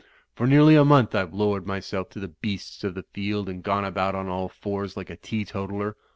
For nearly a month IVc lowered myself to the beasts of the field, and gone about on all fours like a teetotaler.